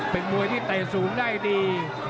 เป็นมวยที่เตะสูงได้ดี